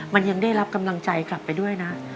มันยังได้รับกำลังใจกลับไปด้วยนะ